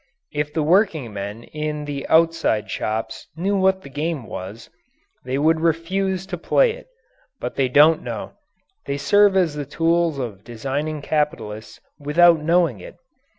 If the workingmen in the outside shops knew what the game was, they would refuse to play it, but they don't know; they serve as the tools of designing capitalists without knowing it.